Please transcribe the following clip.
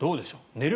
寝る